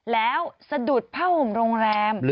แล้วสะดุดผ้าห่มโรงแรม